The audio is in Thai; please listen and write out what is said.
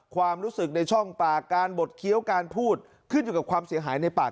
ความรู้สึกในช่องปากการบดเคี้ยวการพูดขึ้นอยู่กับความเสียหายในปาก